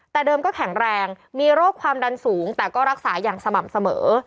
แต่เดิมก็แข็งแรงมีโรคความดันสูงแต่ก็รักษาอย่างสม่ำเสมอ